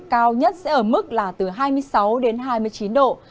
cao nhất sẽ ở mức là từ hai mươi sáu đến hai mươi chín độ